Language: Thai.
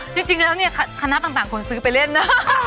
จริงแล้วขณะต่างคนซื้อไปเล่นนะ